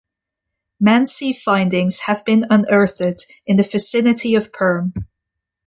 Mansi findings have been unearthed in the vicinity of Perm.